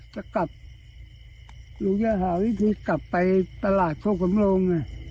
จะกลับหนูจะหาวิธีกลับไปตลาดโคกสำรง